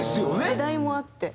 時代もあって。